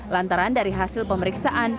lantaran dari hasil pemeriksaan